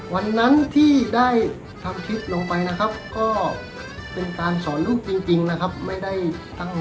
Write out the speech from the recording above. วันนั้นที่ได้ทำคลิปลงไปนะครับก็เป็นการสอนลูกจริงนะครับไม่ได้ตั้ง